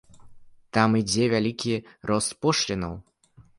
Там ідзе вялікі рост пошлінаў.